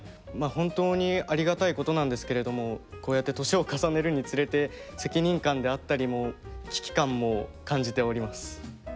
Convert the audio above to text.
本当にありがたいことなんですけれどもこうやって年を重ねるにつれて責任感であったりも危機感も感じております。